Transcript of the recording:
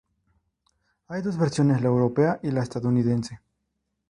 Hay dos versiones: la europea y la estadounidense.